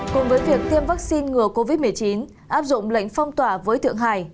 cùng với việc thêm vắc xin ngừa covid một mươi chín áp dụng lệnh phong tỏa với thượng hải